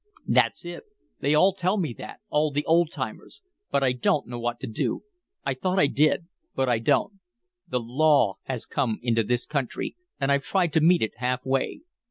"That's it! They all tell me that all the old timers; but I don't know what to do. I thought I did but I don't. The law has come into this country and I've tried to meet it half way.